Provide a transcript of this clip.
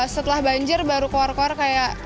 setelah banjir baru keluar keluar kayak